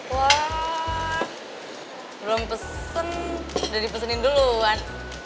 wah belum pesen udah dipesenin duluan